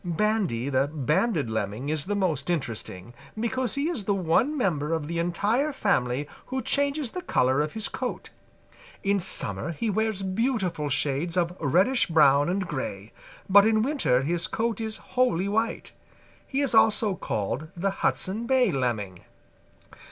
"Bandy the Banded Lemming is the most interesting, because he is the one member of the entire family who changes the color of his coat. In summer he wears beautiful shades of reddish brown and gray, but in winter his coat is wholly white. He is also called the Hudson Bay Lemming.